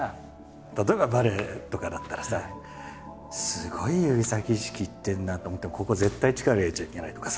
例えばバレエとかだったらさすごい指先意識いってるなと思ってもここ絶対力入れちゃいけないとかさ。